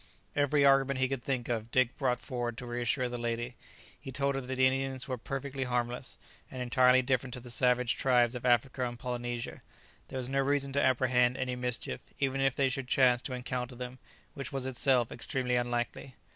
Every argument he could think of, Dick brought forward to reassure the lady. He told her that the Indians were perfectly harmless, and entirely different to the savage tribes of Africa and Polynesia; there was no reason to apprehend any mischief, even if they should chance to encounter them, which was itself extremely unlikely.